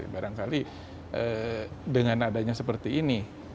barangkali dengan adanya seperti ini